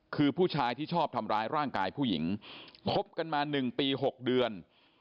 คือผู้ชายที่ชอบทำร้ายร่างกายผู้หญิงคบกันมา๑ปี๖เดือน